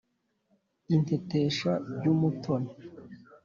Intetesha by'umutoni